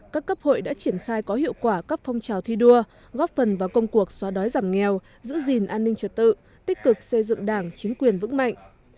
các cấp hội đã triển khai có hiệu quả các phong trào thi đua góp phần vào công cuộc xóa đói giảm nghèo giữ gìn an ninh trật tự tích cực xây dựng đảng chính quyền vững mạnh